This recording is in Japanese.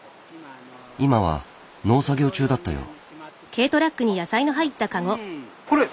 今は農作業中だったよう。